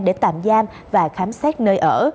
để tạm giam và khám xét nơi ở